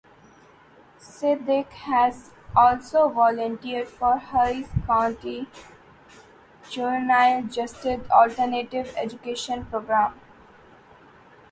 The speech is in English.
Siddiq has also volunteered for Harris County’s Juvenile Justice Alternative Education Program.